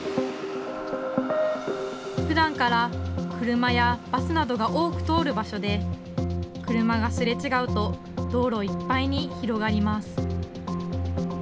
ふだんから車やバスなどが多く通る場所で、車がすれ違うと道路いっぱいに広がります。